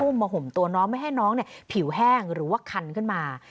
มาห่มตัวน้องไม่ให้น้องผิวแห้งหรือว่าคันขึ้นมา